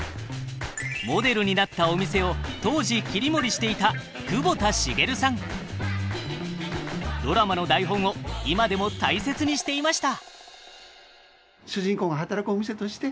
モデルになったお店を当時切り盛りしていたドラマの台本を今でも大切にしていました。